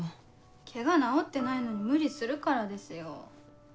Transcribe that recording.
ケガ治ってないのに無理するからですよ。